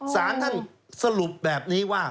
สารท่านสรุปแบบนี้ว่า